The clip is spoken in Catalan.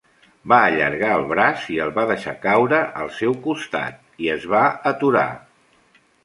Va allargar el braç i el va deixar caure al seu costat, i es va aturar.